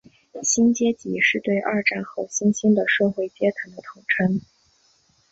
新阶级是对二战后新兴的社会阶层的统称。